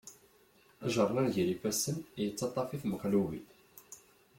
Ajernan gar ifassen, yettaṭṭaf-it meqlubi.